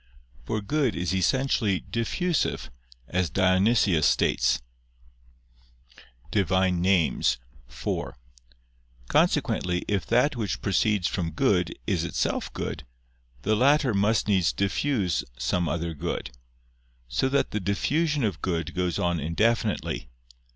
For good is essentially diffusive, as Dionysius states (Div. Nom. iv). Consequently if that which proceeds from good is itself good, the latter must needs diffuse some other good: so that the diffusion of good goes on indefinitely.